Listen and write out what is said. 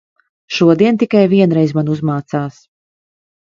Šodien tikai vienreiz man uzmācās.